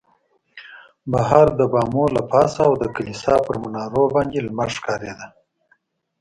بهر د بامو له پاسه او د کلیسا پر منارو باندې لمر ښکارېده.